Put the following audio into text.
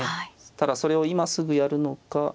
ただそれを今すぐやるのか。